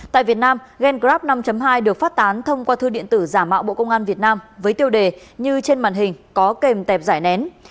tại việt nam gan grab năm hai được phát tán thông qua thư điện tử giả mạo bộ công an việt nam với tiêu đề như trên màn hình có kèm tẹp giải nén